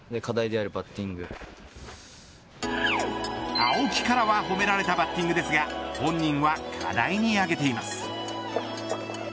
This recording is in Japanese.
青木からは褒められたバッティングですが本人は課題に挙げています。